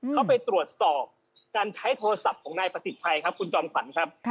เข้าไปตรวจสอบการใช้โทรศัพท์ของนายประสิทธิ์ชัยครับคุณจอมขวัญครับ